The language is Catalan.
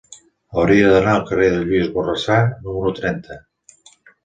Hauria d'anar al carrer de Lluís Borrassà número trenta.